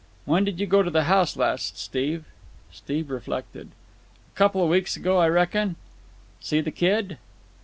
"When did you go to the house last, Steve?" Steve reflected. "About a couple of weeks ago, I reckon." "See the kid?"